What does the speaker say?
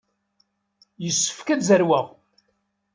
Yessefk ad zerweɣ.